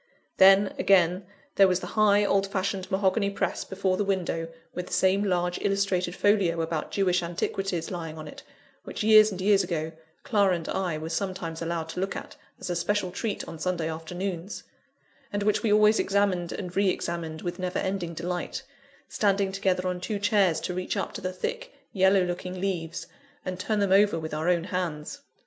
Then, again, there was the high, old fashioned, mahogany press before the window, with the same large illustrated folio about Jewish antiquities lying on it, which, years and years ago, Clara and I were sometimes allowed to look at, as a special treat, on Sunday afternoons; and which we always examined and re examined with never ending delight standing together on two chairs to reach up to the thick, yellow looking leaves, and turn them over with our own hands.